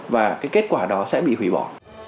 và cái kết quả đó sẽ bị hủy bỏ